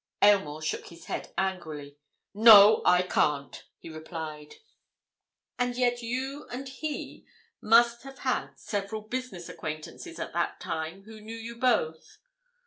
Aylmore shook his head angrily. "No, I can't," he replied. "And yet you and he must have had several business acquaintances at that time who knew you both!"